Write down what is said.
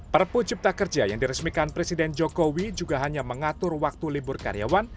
perpu cipta kerja yang diresmikan presiden jokowi juga hanya mengatur waktu libur karyawan